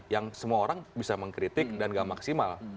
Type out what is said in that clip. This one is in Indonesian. yang semua orang bisa mengkritik dan gak maksimal